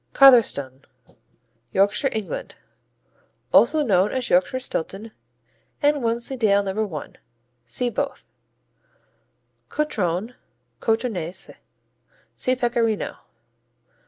Cotherstone Yorkshire, England Also known as Yorkshire Stilton, and Wensleydale No. I. (See both.) Cotrone, Cotronese see Pecorino.